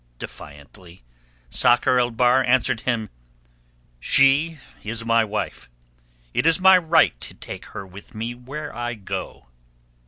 Defiantly Sakr el Bahr answered him: "She is my wife. It is my right to take her with me where I go."